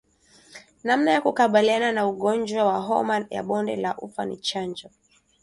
Namna ya kukabiliana na ugonjwa wa homa ya bonde la ufa ni chanjo